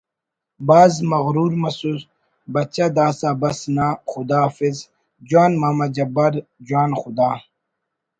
بھاز مغرور مسس…… بچہ داسہ بس نا خدا حافظ …… جوان ماما جبار جوان خدا